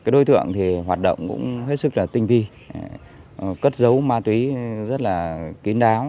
đối tượng hoạt động cũng hết sức tinh vi cất dấu ma túy rất kín đáo